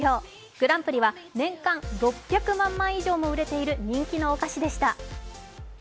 グランプリは年間６００万枚以上も売れている人気のお菓子でした。